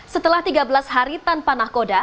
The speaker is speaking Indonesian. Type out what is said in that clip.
setelah tiga belas hari tanpa nakoda